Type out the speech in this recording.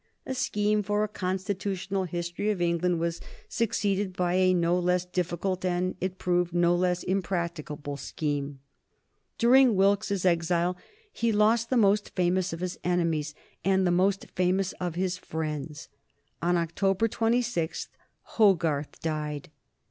A scheme for a Constitutional History of England was succeeded by a no less difficult and, as it proved, no less impracticable scheme. During Wilkes's exile he lost the most famous of his enemies and the most famous of his friends. On October 26, 1764, Hogarth died.